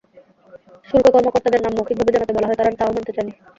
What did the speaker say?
শুল্ক কর্মকর্তাদের নাম মৌখিকভাবে জানাতে বলা হয়, তাঁরা তাও মানতে চাননি।